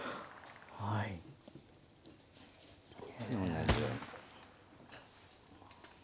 同じように。